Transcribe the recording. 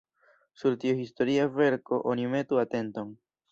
Sur tiu historia verko oni metu atenton.